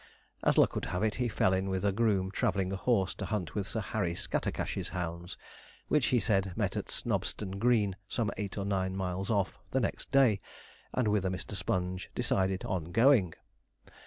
As luck would have it, he fell in with a groom travelling a horse to hunt with Sir Harry Scattercash's hounds, which, he said, met at Snobston Green, some eight or nine miles off, the next day, and whither Mr. Sponge decided on going.